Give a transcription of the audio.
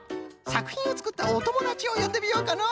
さくひんをつくったおともだちをよんでみようかの。